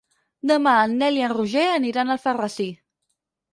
Demà en Nel i en Roger aniran a Alfarrasí.